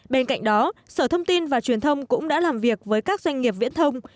bên cạnh đó sở thông tin và truyền thông cũng đã làm việc với các doanh nghiệp viễn thông